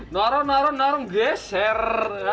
narung narung narung geser